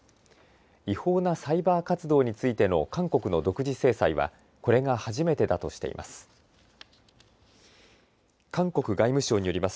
違法なサイバー活動についての韓国の独自制裁はこれが初めてだとしています。